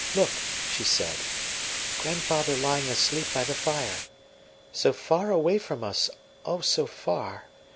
"Look," she said, "grandfather lying asleep by the fire. So far away from us oh, so far!